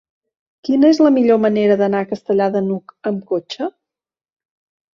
Quina és la millor manera d'anar a Castellar de n'Hug amb cotxe?